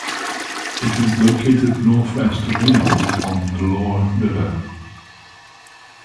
It is located northwest of Lyon on the Loire River.